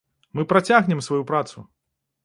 Мы працягнем сваю працу!